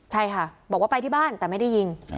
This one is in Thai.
ใช่ค่ะบอกว่าไปที่บ้านแต่ไม่ได้ยิง